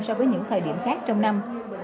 so với những thời điểm khác trong năm